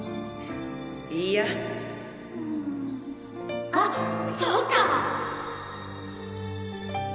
いいやあっそうか！